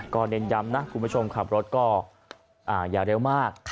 ก็เน้นย้ำนะคุณผู้ชมขับรถก็อย่าเร็วมาก